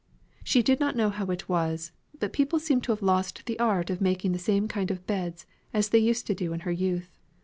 She did not know how it was, but people seemed to have lost the art of making the same kind of beds as they used to do in her youth.